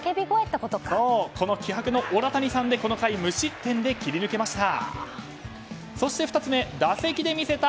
この気迫のオラ谷サンでこの回、無失点で切り抜けました。